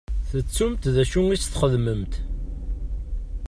Tettumt d acu i sen-txedmemt?